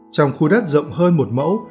trong khu đất rộng hơn một mẫu